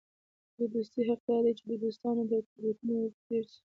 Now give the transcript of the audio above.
د دوستي حق دا دئ، چي د دوستانو تر تېروتنو ور تېر سې.